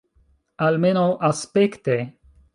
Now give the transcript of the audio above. Almenaŭ aspekte.